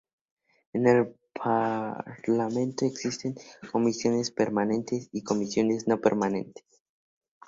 En el Parlamento existen Comisiones Permanentes y Comisiones no Permanentes.